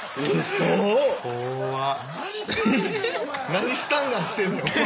何スタンガンしてんねんお前。